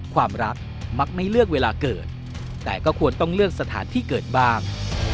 ความรักมักไม่เลือกเวลาเกิดแต่ก็ควรต้องเลือกสถานที่เกิดบ้าง